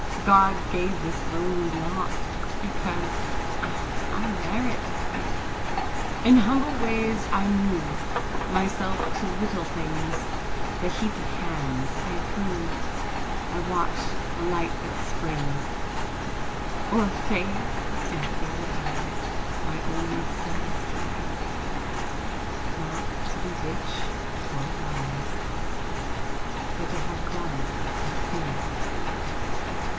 God gave this lowly lot Because I merit it. In humble ways I move Myself to little things; The heated hands I prove, I watch the light that springs Or fades in fever'd eyes; My only solace here, Not to be rich or wise But to have done with fear.